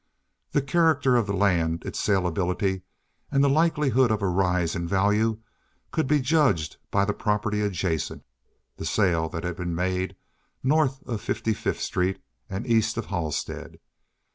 The character of the land, its salability, and the likelihood of a rise in value could be judged by the property adjacent, the sales that had been made north of Fifty fifth Street and east of Halstead.